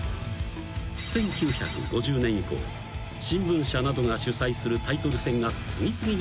［１９５０年以降新聞社などが主催するタイトル戦が次々に誕生。